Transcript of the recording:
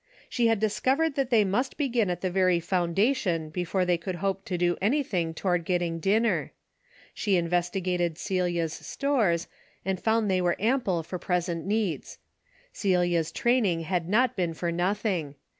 She had discovered that they must begin at the very foundation before they could hope to do anything toward getting dinner. She investigated Celia's stores and DAILY RATE.' 141 found they were ample for present needs. Celia's training had not been for nothing.